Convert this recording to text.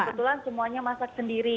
karena kebetulan semuanya masak sendiri